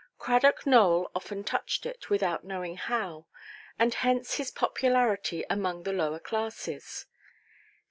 Cradock Nowell often touched it, without knowing how; and hence his popularity among the "lower classes".